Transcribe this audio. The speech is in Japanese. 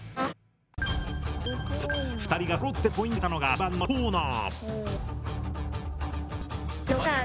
そう２人がそろってポイントにあげたのが終盤の６コーナー。